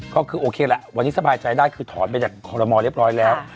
ก็คือโอเคละวันนี้สบายใจได้คือถอนไปจากคอรมอลเรียบร้อยแล้ว